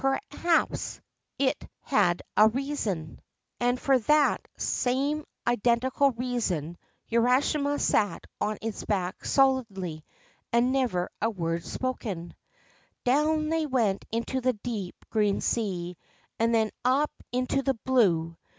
Perhaps it had s i53 URASHIMA TARO a reason. And for that same identical reason Urashima sat on its back stolidly, and never a word spoken. Down they went into the deep, green sea, and then up into the blue.